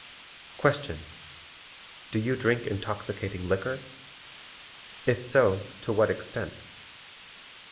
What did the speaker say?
Question. DO YOU DRINK INTOXICATING LIQUOR? IF SO, TO WHAT EXTENT?